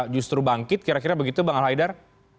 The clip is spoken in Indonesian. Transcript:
justru bangkit kira kira begitu bang al haidar